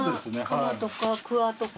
鎌とかくわとか？